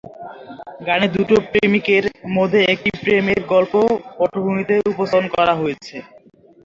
গানে দুটি প্রেমিকের মধ্যে একটি প্রেমের গল্পের পটভূমি উপস্থাপন করা হয়েছে।